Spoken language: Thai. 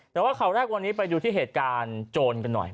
แต่ว่าข่าวแรกวันนี้ไปดูที่เหตุการณ์โจรกันหน่อย